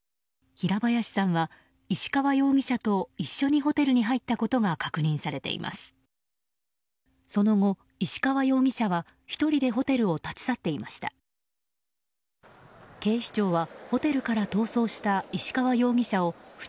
平林さんは石川容疑者と一緒にホテルに入ったことが確認されています。